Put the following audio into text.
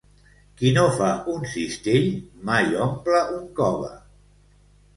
Qui no fa un cistell, mai omple un cove.